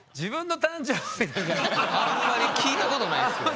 あんまり聞いたことないですよね。